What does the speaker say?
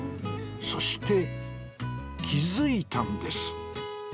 そして気づいたんです